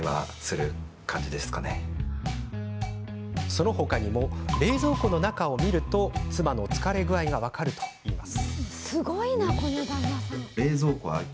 その他にも冷蔵庫の中を見ると妻の疲れ具合が分かるといいます。